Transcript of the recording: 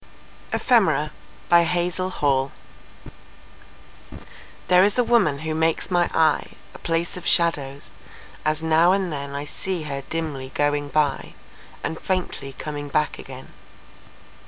Alexander Gray Ephemera THERE is a woman who makes my eye A place of shadows, as now and then I see her dimly going by, And faintly coming back again.